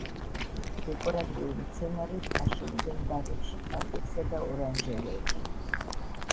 დეკორატიულ მცენარედ აშენებენ ბაღებში, პარკებსა და ორანჟერეებში.